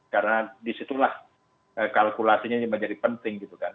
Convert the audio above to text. karena disitulah kalkulasinya menjadi penting gitu kan